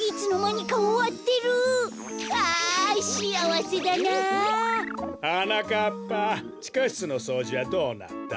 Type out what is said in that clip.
はなかっぱちかしつのそうじはどうなった？